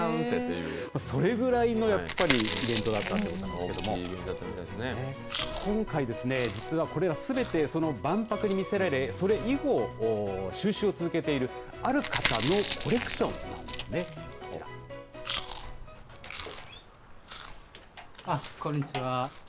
それぐらいのやっぱりイベントだったということですけど今回ですね、実はこれらすべて万博に見せられ、それ以降収集を続けているある方のコレクションなんですねこんにちは。